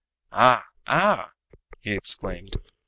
"Ah, ah!" he exclaimed.